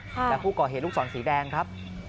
แต่ผู้ก่อเหตุลูกศรสีแดงครับ